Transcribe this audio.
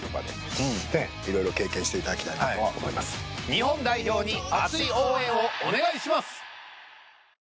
日本代表に熱い応援をお願いします！